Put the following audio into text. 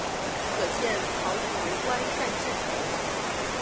可见曹摅为官善治。